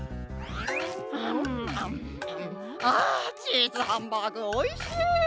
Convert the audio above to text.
あチーズハンバーグおいしい！